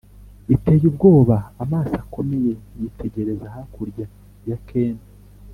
biteye ubwoba, amaso akomeye, yitegereza hakurya ya ken